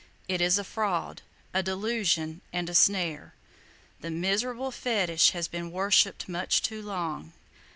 It is a fraud, a delusion and a snare. That miserable fetish has been worshipped much too long.